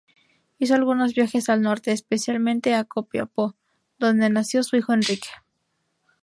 Hizo algunos viajes al norte, especialmente a Copiapó, donde nació su hijo Enrique.